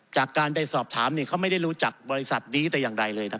จากการได้สอบถามเขาไม่ได้รู้จักบริษัทดีแต่อย่างไรเลย